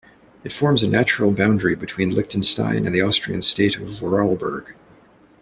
It forms a natural boundary between Liechtenstein and the Austrian state of Vorarlberg.